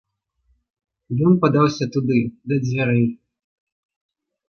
Ён падаўся туды да дзвярэй.